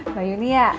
mbak yuni ya